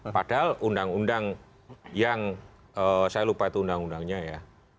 padahal undang undang yang saya lupa itu undang undangnya ya